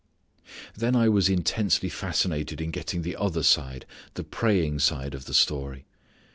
Then I was intensely fascinated in getting the other side, the praying side of the story.